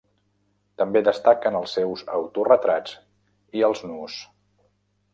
També destaquen els seus autoretrats i els nus.